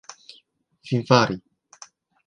finfari